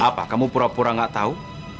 apa kamu pura pura gak tahu